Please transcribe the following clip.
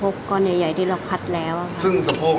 สะโพกก็เนี่ยใหญ่ที่เราคัดแล้วซึ่งสะโพก